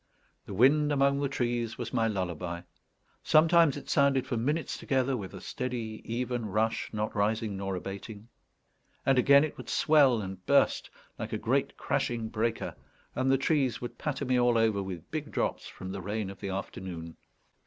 The wind among the trees was my lullaby. Sometimes it sounded for minutes together with a steady, even rush, not rising nor abating; and again it would swell and burst like a great crashing breaker, and the trees would patter me all over with big drops from the rain of the afternoon.